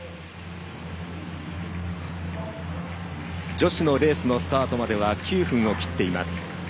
女子のレースのスタートまで９分を切っています。